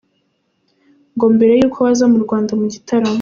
Ngo mbere y’uko baza mu Rwanda mu gitaramo